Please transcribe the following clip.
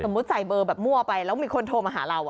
สมมุติใส่เบอร์แบบมั่วไปแล้วไปละมีคนโทรมาหาเรา